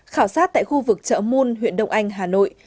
khảo sát tại khu vực chợ muôn huyện đông anh hà nội